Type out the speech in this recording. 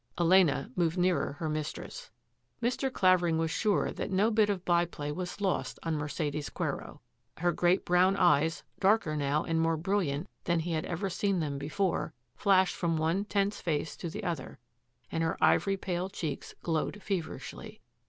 Elena moved nearer her mistress. Mr. Clavering was sure that no bit of byplay was lost on Mercedes Quero. Her great brown eyesy darker now and more brilliant than he had ever seen them before, flashed from one tense face to the other, and her ivory pale cheeks glowed feverishly.